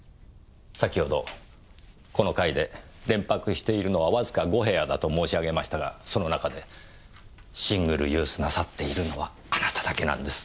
先程この階で連泊しているのはわずか５部屋だと申し上げましたがその中でシングルユースなさっているのはあなただけなんです。